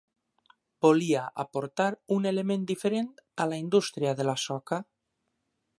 Volia aportar un element diferent a la indústria de la soca.